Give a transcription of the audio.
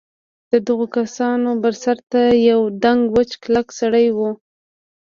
د دغو کسانو بر سر ته یوه دنګ وچ کلک سړي و.